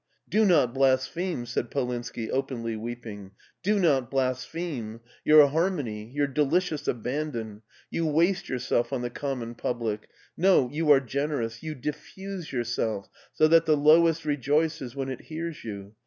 do not blaspheme," said Polinski, openly weeping ;" do not blaspheme. Your harmony ! Your delicious abandon! You waste yourself on the com mon public — ^no, you are generous — ^you diffuse your self so that the lowest rejoices when it hears you.